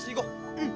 うん。